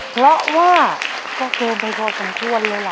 เพราะว่าเกมไปรอคุณคู่เลยแหละ